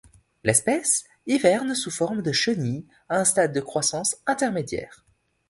L'espèce hiverne sous forme de chenille, à un stade de croissance intermédiaire.